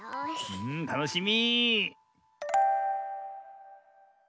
うんたのしみ。